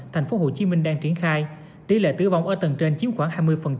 tp hcm đang triển khai tỷ lệ tử vong ở tầng trên chiếm khoảng hai mươi